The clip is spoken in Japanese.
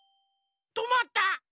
とまった。